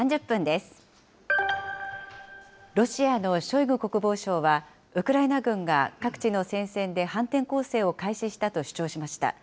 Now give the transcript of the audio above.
ロシアのショイグ国防相は、ウクライナ軍が、各地の戦線で反転攻勢を開始したと主張しました。